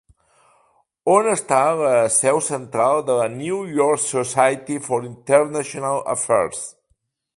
On està la seu central de la "New York Society for International Affairs"?